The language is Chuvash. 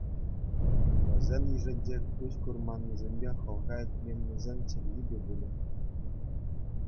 Вӗсен йышӗнче куҫ курманнисемпе хӑлха илтменнисен чӗлхи те пулӗ.